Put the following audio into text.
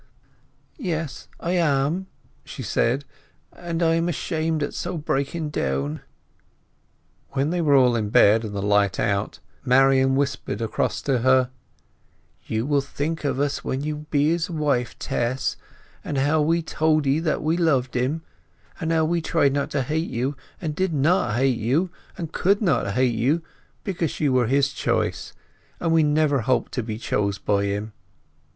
"Yes, I am," she said; "and I am ashamed at so breaking down." When they were all in bed, and the light was out, Marian whispered across to her— "You will think of us when you be his wife, Tess, and of how we told 'ee that we loved him, and how we tried not to hate you, and did not hate you, and could not hate you, because you were his choice, and we never hoped to be chose by him."